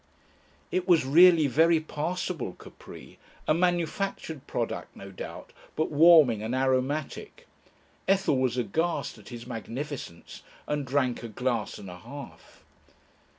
It was really very passable Capri a manufactured product, no doubt, but warming and aromatic. Ethel was aghast at his magnificence and drank a glass and a half.